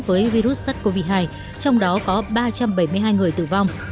với virus sars cov hai trong đó có ba trăm bảy mươi hai người tử vong